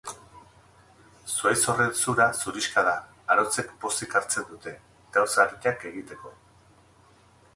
Zuhaitz horren zura zurixka da; arotzek pozik hartzen dute, gauza arinak egiteko.